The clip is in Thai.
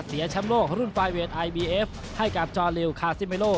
แชมป์โลกรุ่นไฟเวทไอบีเอฟให้กับจอลิวคาซิเมโล